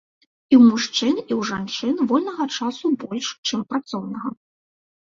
І ў мужчын, і ў жанчын вольнага часу больш, чым працоўнага.